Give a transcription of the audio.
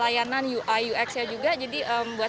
layanan ui ux nya juga jadi buat saya sih nggak masalah